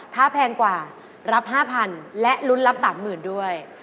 ถ้าแพงกว่ารับ๕๐๐๐และลุ้นรับ๓๐๐๐ด้วย